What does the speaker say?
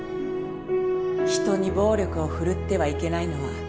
人に暴力を振るってはいけないのは